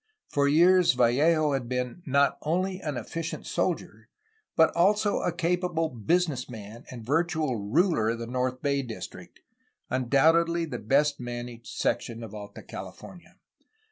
For years Vallejo had been not only an efficient WAITING FOR OLD GLORY, 1835 1847 479 soldier, but also a capable business man and virtual ruler of the north bay district, undoubtedly the best managed section of Alta California.